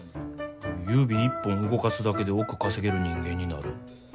指一本動かすだけで億稼げる人間になる。